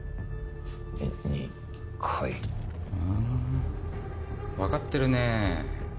２回？ん分かってるねぇ。